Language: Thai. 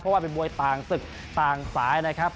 เพราะว่าเป็นมวยต่างศึกต่างสายนะครับ